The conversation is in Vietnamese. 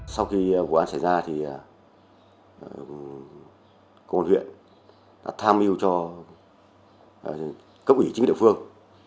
sau khi vụ án xảy ra thì công an huyện đã tham mưu cho cấp ủy chính địa phương